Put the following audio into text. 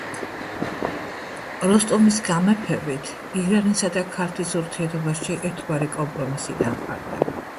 როსტომის გამეფებით ირანისა და ქართლის ურთიერთობაში ერთგვარი კომპრომისი დამყარდა.